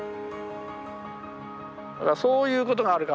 だからそういうことがあるからね